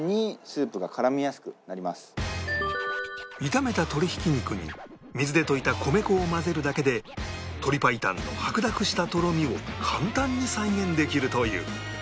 炒めた鶏ひき肉に水で溶いた米粉を混ぜるだけで鶏白湯の白濁したとろみを簡単に再現できるという